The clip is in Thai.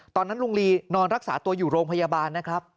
ตอนนั้นลุงลีนอนรักษาตัวอยู่โรงพยาบาลนะครับ